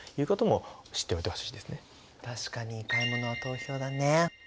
確かに買い物は投票だね。